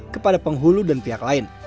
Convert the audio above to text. kepada penghulu dan pihak lain